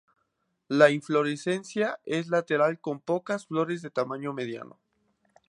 La inflorescencia es lateral con pocas flores de tamaño mediano.